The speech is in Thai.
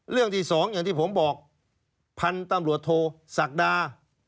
เรื่องที่สองอย่างที่ผมบอกพันธุ์ตำรวจโทศักดา